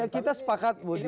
ya kita sepakat budi